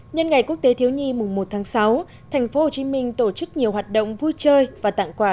nhân ngày quốc tế thiếu nhi mùng một tháng sáu tp hcm tổ chức nhiều hoạt động vui chơi và tặng quà